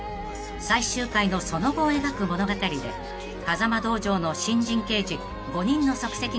［最終回のその後を描く物語で風間道場の新人刑事５人の足跡が明らかに］